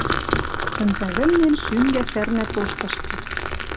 Сӹнзӓ вӹлнем шӱнгӓ сӓрнӓ тоштышкы